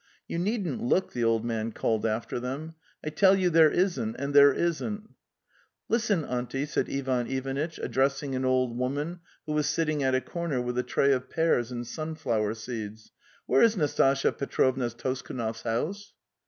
"You needn't look,' the old man called after them. 'I tell you there isn't, and there isn't." "Listen, auntie," said Ivan Ivanitch, addressing an old woman who was sitting at a corner with a tray of pears and sunflower seeds, '"' where is Nas tasya Petrovna Toskunov's house?"